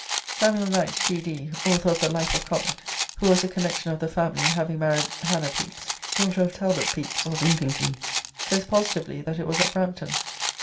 Samuel Knight, D.D., author of the "Life of Colet," who was a connection of the family (having married Hannah Pepys, daughter of Talbot Pepys of Impington), says positively that it was at Brampton.